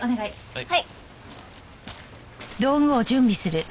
はい。